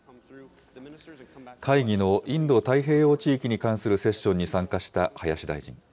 会議のインド太平洋地域に関するセッションに参加した林大臣。